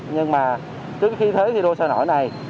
nhưng mà trước khi thế thi đua sơ nổi này